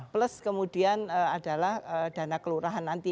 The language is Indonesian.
plus kemudian adalah dana kelurahan nanti